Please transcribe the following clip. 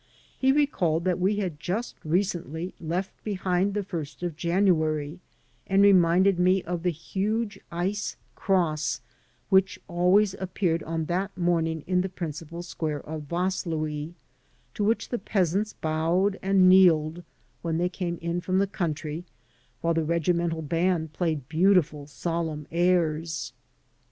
He recalled that we had just recently left behind the first of January, and reminded me of the huge ice cross which always appeared on that mommg in the principal square of Vaslui, to which the peasants bowed and kneeled when they came in from the country while the regimental band played beautiful, solemn airs.